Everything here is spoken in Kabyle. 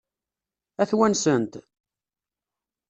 Ad t-wansent?